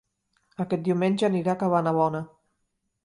Aquest diumenge aniré a Cabanabona